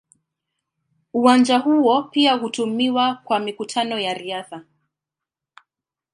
Uwanja huo pia hutumiwa kwa mikutano ya riadha.